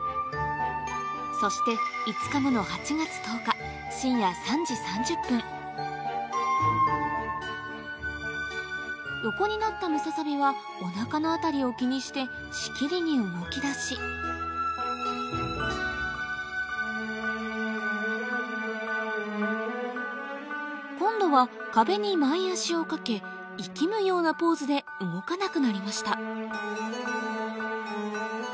そして５日後の横になったムササビはおなかの辺りを気にしてしきりに動きだし今度は壁に前足を掛け息むようなポーズで動かなくなりました